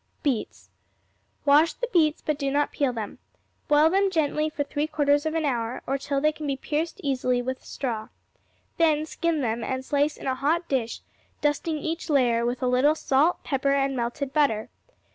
Beets Wash the beets but do not peel them. Boil them gently for three quarters of an hour, or till they can be pierced easily with a straw. Then skin them and slice in a hot dish, dusting each layer with a little salt, pepper, and melted butter.